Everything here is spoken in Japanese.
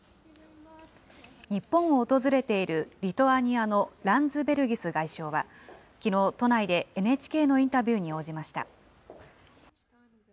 日本を訪れている、リトアニアのランズベルギス外相は、きのう、都内でＮＨＫのインタビューに応じました。